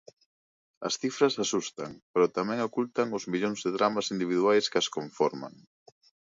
As cifras asustan, pero tamén ocultan os millóns de dramas individuais que as conforman.